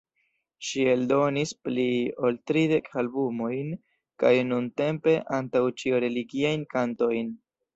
Ŝi eldonis pli ol tridek albumojn kaj nuntempe antaŭ ĉio religiajn kantojn.